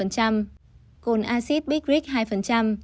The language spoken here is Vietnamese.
cồn acid bicric hai